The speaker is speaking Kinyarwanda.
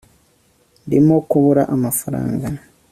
ndimo kubura amafaranga